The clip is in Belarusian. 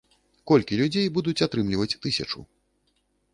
Колькі людзей будуць атрымліваць тысячу?